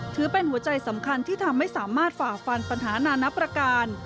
ถือเป็นหัวใจสำคัญที่ทำให้สามารถฝ่าฟันปัญหานานับประการ